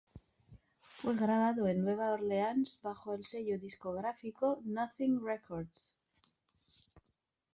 Fue grabado en Nueva Orleans, bajo el sello discográfico Nothing Records.